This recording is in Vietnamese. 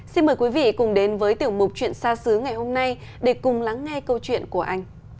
xin mời quý vị cùng đến với tiểu mục chuyện xa xứ ngày hôm nay để cùng lắng nghe câu chuyện của anh